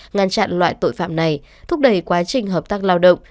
ngăn chặn loại tội phạm này thúc đẩy quá trình hợp tác lao động